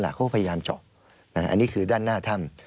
เขาก็พยายามเจาะอันนี้คือด้านหน้าถ้ำ